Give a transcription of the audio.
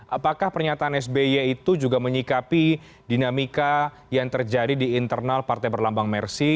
apakah pernyataan sby itu juga menyikapi dinamika yang terjadi di internal partai berlambang mersi